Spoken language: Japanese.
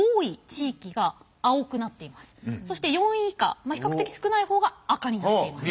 そして４位以下比較的少ない方が赤になっています。